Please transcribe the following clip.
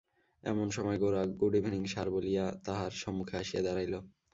এমন সময় গোরা good evening সার বলিয়া তাঁহার সম্মুখে আসিয়া দাঁড়াইল।